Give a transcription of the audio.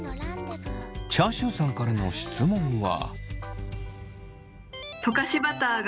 チャーシューさんからの質問は。